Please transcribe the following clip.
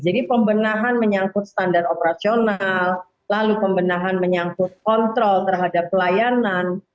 pembenahan menyangkut standar operasional lalu pembenahan menyangkut kontrol terhadap pelayanan